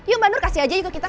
yuk mbak nur kasih aja juga kita